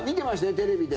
テレビで。